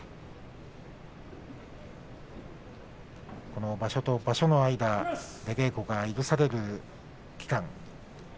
この場所と場所の間出稽古が許される期間